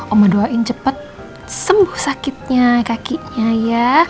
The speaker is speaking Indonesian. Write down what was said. oma doain cepet sembuh sakitnya kakinya ya